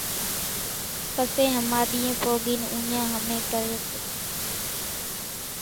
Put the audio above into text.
پسي ۿماۮيئين پوڳين اُوڃان ۿمي ڪري سي